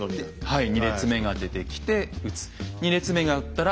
はい。